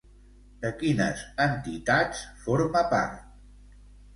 De quines entitats forma part?